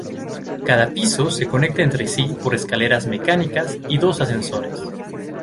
Cada piso se conecta entre sí por escaleras mecánicas y dos ascensores.